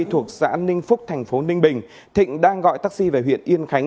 thuộc xã ninh phúc thành phố ninh bình thịnh đang gọi taxi về huyện yên khánh